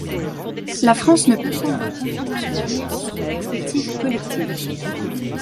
La France ne peut prendre le contrôle de son avenir sans une perspective collective.